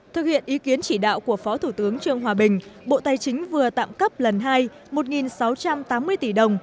thực hiện ý kiến chỉ đạo của phó thủ tướng trương hòa bình bộ tài chính vừa tạm cấp lần hai một sáu trăm tám mươi tỷ đồng